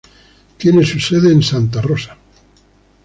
Tiene su sede en Santa Rosa.